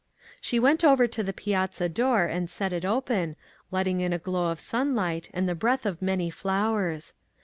She went over to the piazza door and set it open, letting in a glow of sunlight and the breath of many flowers.